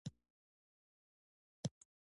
د ژبې خدمت سطحي کارونه دي نه.